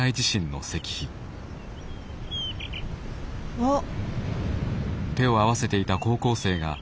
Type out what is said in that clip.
あっ。